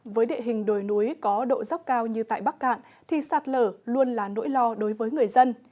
với địa hình đồi núi có độ dốc cao như tại bắc cạn thì sạt lở luôn là nỗi lo đối với người dân